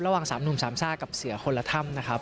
ระหว่าง๓หนุ่มสามซ่ากับเสือคนละถ้ำนะครับ